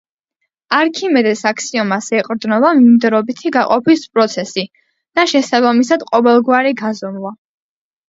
არქიმედეს აქსიომას ეყრდნობა მიმდევრობითი გაყოფის პროცესი და შესაბამისად, ყოველგვარი გაზომვა.